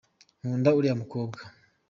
Nkunda uriya mukobwa.